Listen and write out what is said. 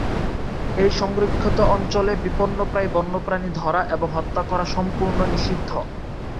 এই সংরক্ষিত অঞ্চলে বিপন্নপ্রায় বন্যপ্রাণী ধরা এবং হত্যা করা সম্পূর্ণ নিষিদ্ধ।